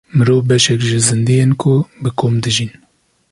Mirov beşek ji zindiyên ku bi kom dijîn.